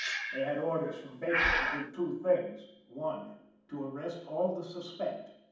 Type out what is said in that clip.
They had orders from Baker to do two things: I. To arrest all the "Suspect."